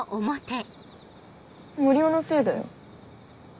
森生のせいだよ。